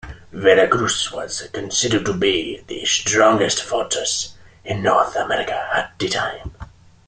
Veracruz was considered to be the strongest fortress in North America at the time.